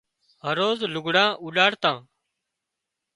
هروز لگھڙ اُوڏاڙتان